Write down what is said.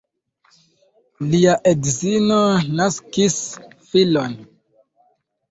Lia edzino naskis filon.